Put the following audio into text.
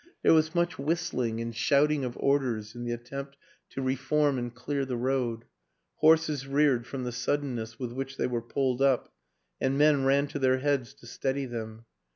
There was much whistling, and shouting of orders in the attempt to reform and clear the road; horses reared from the suddenness with which they were pulled up and men ran to their heads to steady them.